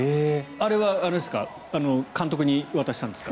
あれは監督に渡したんですか？